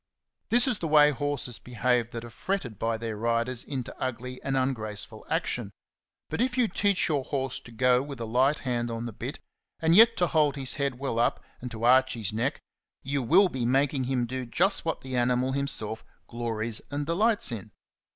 This is the 56 XENOPHON ON HORSEMANSHIP. way horses behave that are fretted by their riders into ugly and ungraceful action ; but if you teach your horse to go with a light hand on the bit, and yet to hold his head well up and to arch his neck, you will be making him do just what the animal himself glories and delights in.